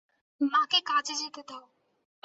মাকে কাজে যেতে দাও।